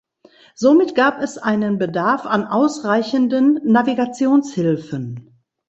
Somit gab es einen Bedarf an ausreichenden Navigationshilfen.